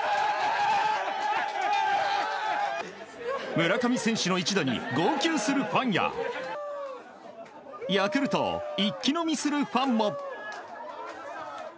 村上選手の一打に号泣するファンやヤクルトを一気飲みするファンも。